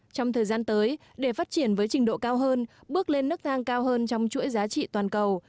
trong thời gian tới để phát triển với trình độ cao hơn bước lên nước thang cao hơn trong chuỗi giá trị toàn cầu